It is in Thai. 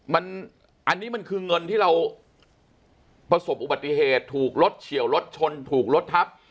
อันนี้มันคือเงินที่เราประสบอุบัติเหตุถูกรถเฉียวรถชนถูกรถทับ